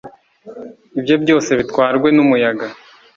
ibye byose bitwarwe n'umuyaga